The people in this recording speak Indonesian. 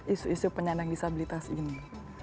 isu isu penyandang disabilitas ini